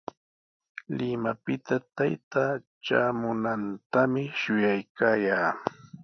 Limapita taytaa traamunantami shuyaykaayaa.